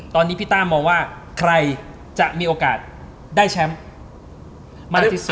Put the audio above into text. ตอนนี้พี่ต้ามองว่าใครจะมีโอกาสได้แชมป์มากที่สุด